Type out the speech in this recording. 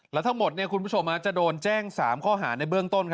แล้วทั้งหมดคุณผู้ชมจะโดนแจ้ง๓ข้อหาในเบื้องต้น